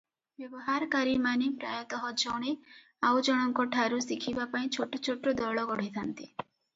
ବ୍ୟବହାରକାରୀମାନେ ପ୍ରାୟତଃ ଜଣେ ଆଉଜଣଙ୍କଠାରୁ ଶିଖିବା ପାଇଁ ଛୋଟ ଛୋଟ ଦଳ ଗଢ଼ିଥାନ୍ତି ।